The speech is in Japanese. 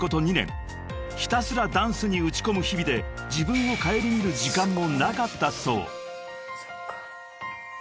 ［ひたすらダンスに打ち込む日々で自分を顧みる時間もなかったそう］